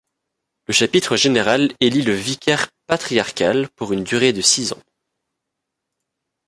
Le chapitre général élit le vicaire patriarcal, pour une durée de six ans.